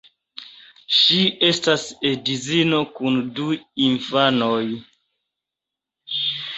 Ŝi estas edzino kun du infanoj.